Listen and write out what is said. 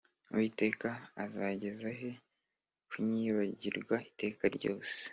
Uwiteka uzageza he kunyibagirwa iteka ryose